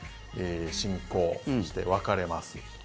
進行そして分かれます。